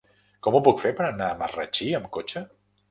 Com ho puc fer per anar a Marratxí amb cotxe?